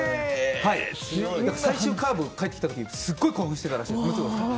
最終カーブで帰ってきたときすごい興奮していたらしいです。